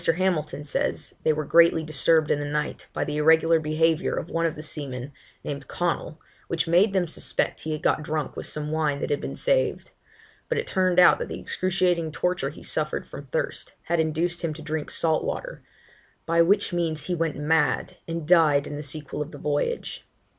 Hamilton says they were greatly disturbed in the night, by the irregular behaviour of one of the seamen, named Connell, which made them suspect he had got drunk with some wine that had been saved; but it turned out that the excruciating torture he suffered from thirst had induced him to drink salt water; 'by which means he went mad, and died in the sequel of the voyage.'